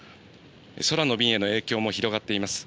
空の便への影響も広がっています。